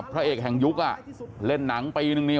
พระเอกแห่งยุคเล่นหนังปีนึงนี่